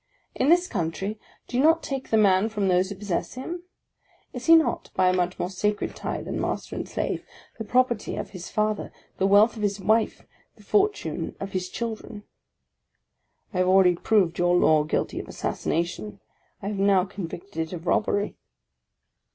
In this country, do you not take the man from those who possess him? Is he not, by a much more sacred tie than master and slave, the property of his father, the wealth of his wife, the fortune of his children. I have already proved your law guilty of assassination; I have now convicted it of robbery!